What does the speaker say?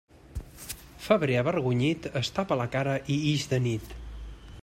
Febrer avergonyit, es tapa la cara i ix de nit.